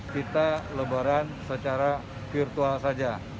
kita lebaran secara virtual saja